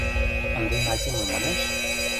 Ынде Нати мом манеш?»